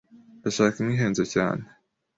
Ndashaka imwe ihenze cyane.